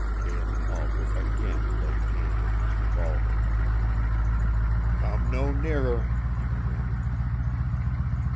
Galen Albret again laid hand on his revolver. "Come no nearer," he commanded.